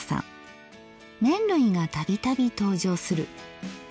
麺類が度々登場する。